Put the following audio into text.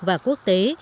và quốc tế